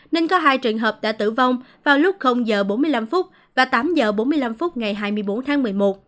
nên có hai trường hợp đã tử vong vào lúc h bốn mươi năm và tám h bốn mươi năm phút ngày hai mươi bốn tháng một mươi một